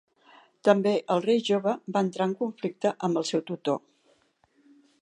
També el rei jove va entrar en conflicte amb el seu tutor.